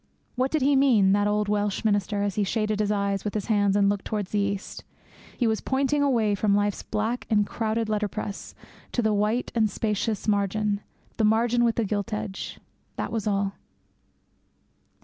What did he mean, that old Welsh minister, as he shaded his eyes with his hands and looked towards the East? He was pointing away from life's black and crowded letterpress to the white and spacious margin the margin with the gilt edge that was all.